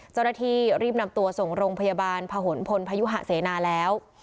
เจ้าหน้าที่รีบนำตัวส่งโรงพยาบาลพะหนพลพยุหะเสนาแล้ว